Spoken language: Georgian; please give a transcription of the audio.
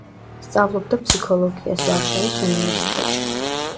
სწავლობდა ფსიქოლოგიას ვარშავის უნივერსიტეტში.